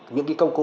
những công cụ